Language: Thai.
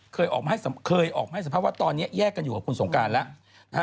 เคยออกมาให้สัมภาษณ์ว่าตอนนี้แยกกันอยู่กับคุณสงการแล้วนะฮะ